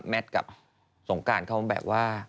แม่กับส่งการเขามันแบบว่า